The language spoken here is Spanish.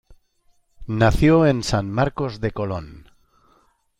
Nació en San Marcos de Colón.